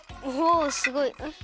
おすごい。